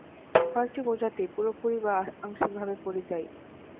কয়েকটি প্রজাতি, পুরোপুরি বা আংশিকভাবে পরিযায়ী।